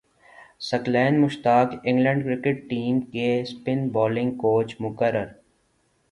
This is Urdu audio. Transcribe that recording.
ثقلین مشتاق انگلینڈ کرکٹ ٹیم کے اسپن بالنگ کوچ مقرر